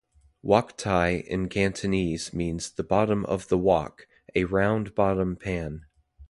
"Wok Tai" in Cantonese means the bottom of the "wok", a round-bottom pan.